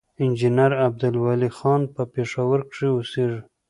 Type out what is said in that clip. انجينير عبدالولي خان پۀ پېښور کښې اوسيږي،